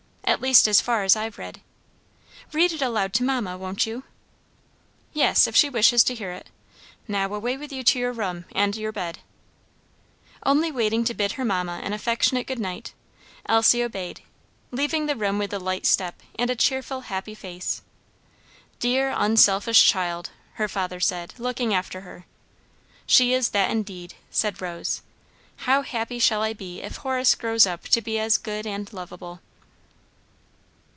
at least as far as I've read. Read it aloud to mamma, won't you?" "Yes, if she wishes to hear it. Now away with you to your room and your bed." Only waiting to bid her mamma an affectionate good night, Elsie obeyed, leaving the room with a light step, and a cheerful, happy face. "Dear unselfish child!" her father said, looking after her. "She is that indeed," said Rose. "How happy, shall I be if Horace grows up to be as good and lovable."